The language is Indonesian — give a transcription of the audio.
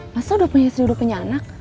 masa udah punya istri udah punya anak